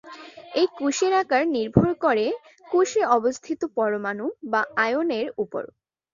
এই কোষের আকার নির্ভর করে, কোষে অবস্থিত পরমাণু বা আয়নের উপর।